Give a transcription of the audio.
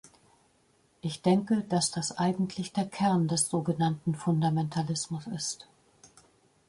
Ich denke, dass das eigentlich der Kern des sogenannten Fundamentalismus ist.